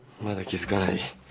まだ気付かない？